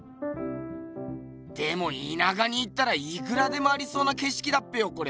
でもいなかに行ったらいくらでもありそうなけしきだっぺよこれ。